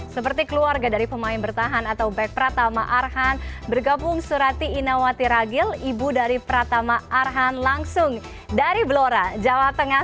seperti keluarga dari pemain bertahan atau back pratama arhan bergabung surati inawati ragil ibu dari pratama arhan langsung dari blora jawa tengah